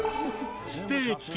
ステーキ。